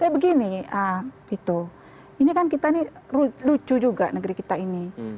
tapi begini ini kan kita ini lucu juga negeri kita ini